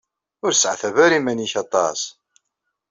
Ur seɛtab ara iman-ik aṭas!